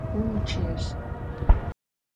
Vumıççıêj!